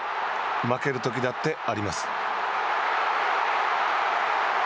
負けるときだってあります。